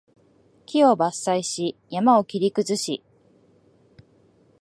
木を伐採し、山を切り崩し